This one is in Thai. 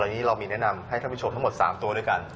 วันนี้เรามีแนะนำให้ท่านผู้ชมทั้งหมด๓ตัวด้วยกัน